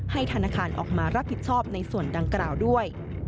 ธนาคารออกมารับผิดชอบในส่วนดังกล่าวด้วย